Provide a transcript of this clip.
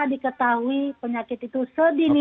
diketahui penyakit itu sedini